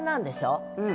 うん。